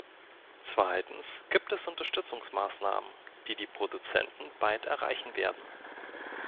Zweitens gibt es Unterstützungsmaßnahmen, die die Produzenten bald erreichen werden.